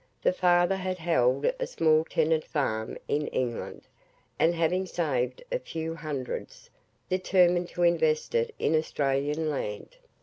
The father had held a small tenant farm in England, and having saved a few hundreds, determined to invest it in Australian land.